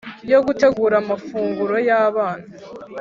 yo gutegura amafunguro yabana